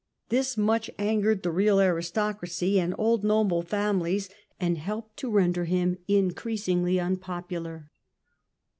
This much angered the real aristocracy and old noble families and helped to render him increasingly unpopular.